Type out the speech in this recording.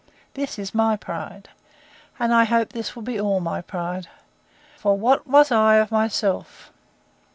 This is my pride: And I hope this will be all my pride. For what was I of myself!